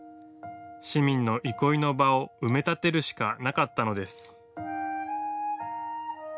市民の憩いの場を埋め立てるしかなかったのです。